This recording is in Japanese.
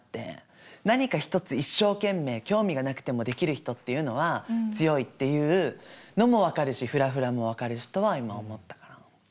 何か一つ一生懸命興味がなくてもできる人っていうのは強いっていうのも分かるしフラフラも分かるしとは今思ったかな。